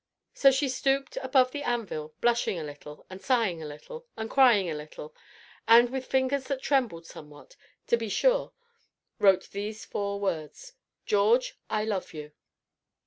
So she stooped above the anvil, blushing a little, and sighing a little, and crying a little, and, with fingers that trembled somewhat, to be sure, wrote these four words: "George, I love you."